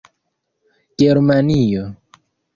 germanio